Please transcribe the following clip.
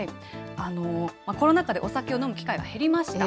コロナ禍でお酒を飲む機会が減りました。